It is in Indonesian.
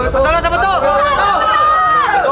betul betul betul